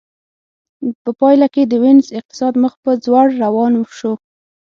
په پایله کې د وینز اقتصاد مخ په ځوړ روان شو